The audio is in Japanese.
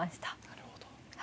なるほど。